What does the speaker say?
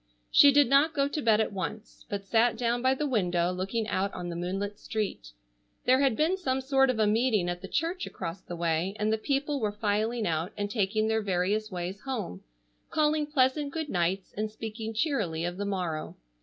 She did not go to bed at once, but sat down by the window looking out on the moonlit street. There had been some sort of a meeting at the church across the way, and the people were filing out and taking their various ways home, calling pleasant good nights, and speaking cheerily of the morrow.